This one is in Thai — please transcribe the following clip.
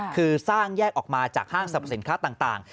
คือสร้างแยกออกมาจากห้างสรรพสินค้าต่าง